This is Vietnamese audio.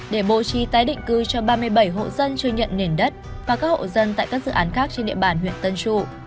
để bố trí tái định cư cho ba mươi bảy hộ dân chưa nhận nền đất và các hộ dân tại các dự án khác trên địa bàn huyện tân trụ